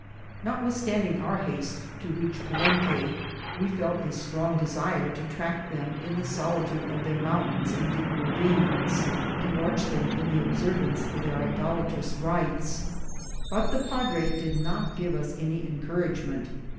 Notwithstanding our haste to reach Palenque, we felt a strong desire to track them in the solitude of their mountains and deep ra vines, and watch them in the observance of their idol atrous rites ; but the padre did not give us any encour agement.